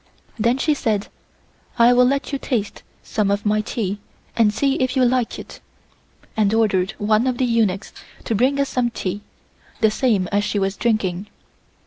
Then she said: "I will let you taste some of my tea and see if you like it," and ordered one of the eunuchs to bring us some tea, the same as she was drinking.